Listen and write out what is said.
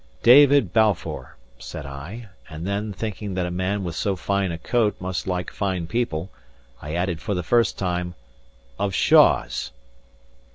"David Balfour," said I; and then, thinking that a man with so fine a coat must like fine people, I added for the first time, "of Shaws."